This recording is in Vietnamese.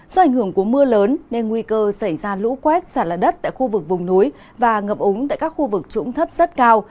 do ảnh hưởng của mưa lớn nên nguy cơ xảy ra lũ quét xả lở đất tại khu vực vùng núi và ngập úng tại các khu vực trũng thấp rất cao